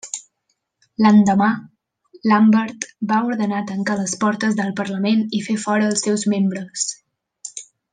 L'endemà, Lambert va ordenar tancar les portes del Parlament i fer fora els seus membres.